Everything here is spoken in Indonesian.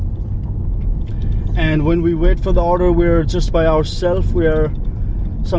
dan ketika kita menunggu perintah kita hanya bersendirian